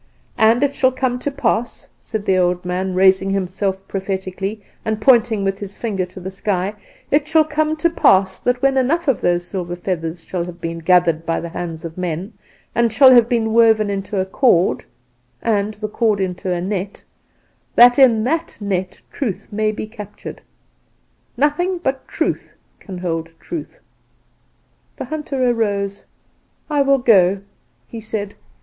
And it shall come to pass,' said the old man, raising himself prophetically and pointing with his finger to the sky, 'it shall come to pass, that when enough of those silver feathers shall have been gathered by the hands of men, and shall have been woven into a cord, and the cord into a net, that in that net Truth may be captured. Nothing but Truth can hold Truth.' "The hunter arose. 'I will go,' he said.